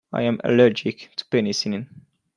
I am allergic to penicillin.